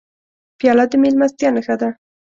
پیاله د میلمستیا نښه ده.